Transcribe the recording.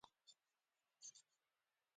علمي نظر هغه وخت ارزښت لري